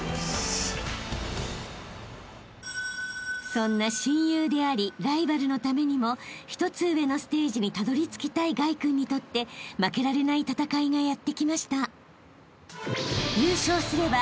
［そんな親友でありライバルのためにも一つ上のステージにたどりつきたい凱君にとって負けられない戦いがやって来ました］